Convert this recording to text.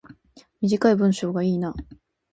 短い文章がいいな